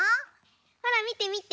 ほらみてみて。